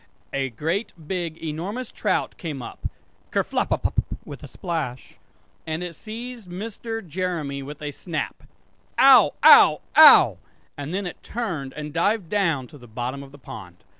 A great big enormous trout came up ker pflop p p p! with a splash and it seized Mr. Jeremy with a snap, "Ow! Ow! Ow!" and then it turned and dived down to the bottom of the pond!